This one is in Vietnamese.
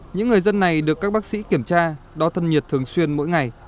những người dân này được các bác sĩ kiểm tra đo thân nhiệt thường xuyên mỗi ngày